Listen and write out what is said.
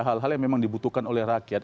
hal hal yang memang dibutuhkan oleh rakyat